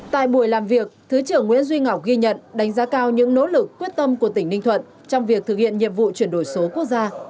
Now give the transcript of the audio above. tại buổi làm việc thứ trưởng nguyễn duy ngọc ghi nhận đánh giá cao những nỗ lực quyết tâm của tỉnh ninh thuận trong việc thực hiện nhiệm vụ chuyển đổi số quốc gia